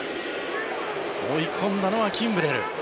追い込んだのはキンブレル。